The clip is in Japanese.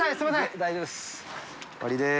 大丈夫です。